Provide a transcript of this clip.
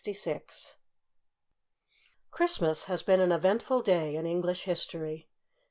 /^^HRISTMAS has been an eventful day in English history.